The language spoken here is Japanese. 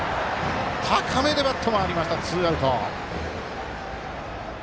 高めでバット回ってツーアウト。